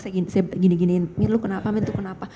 saya gini giniin mir lo kenapa mir itu kenapa